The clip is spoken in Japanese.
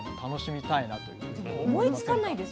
でも思いつかないです